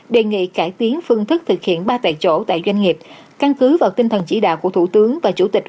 đề nghị cải tiến phương thức thực hiện ba tại chỗ tại doanh nghiệp căn cứ vào tinh thần chỉ đạo của thủ tướng và chủ tịch